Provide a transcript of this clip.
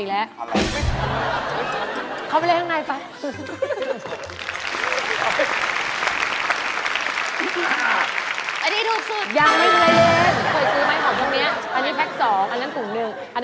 อันนี้ถูกสุด